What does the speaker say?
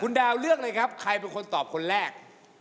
ดาวเลือกเลยครับใครเป็นคนตอบคนแรก